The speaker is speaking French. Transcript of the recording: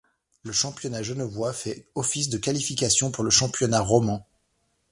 Le championnat genevois fait office de qualification pour le championnat romand.